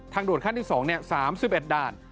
ทางด่วนค่าที่๒เนี่ย๓๑ด่าน